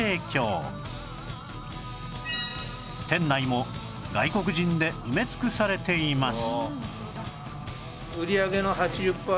店内も外国人で埋め尽くされています